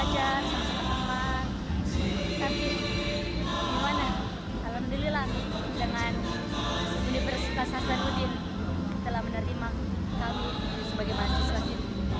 tapi gimana alhamdulillah dengan universitas hasanuddin telah menerima kami sebagai mahasiswa